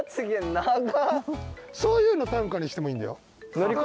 そういうの短歌にしてもいいんだよ。